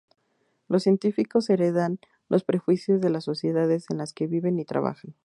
Los científicos heredan los prejuicios de las sociedades en las que viven y trabajan.